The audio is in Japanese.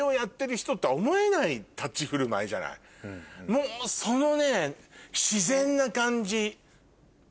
もうそのね。